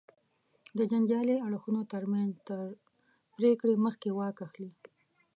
د جنجالي اړخونو تر منځ تر پرېکړې مخکې واک اخلي.